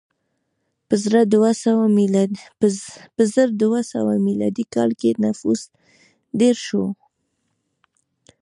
په زر دوه سوه میلادي کال کې نفوس ډېر شو.